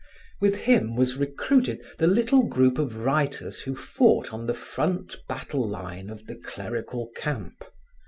With him was recruited the little group of writers who fought on the front battle line of the clerical camp.